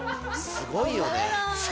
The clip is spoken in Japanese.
すごいよね。